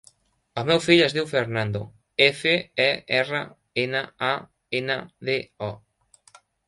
El meu fill es diu Fernando: efa, e, erra, ena, a, ena, de, o.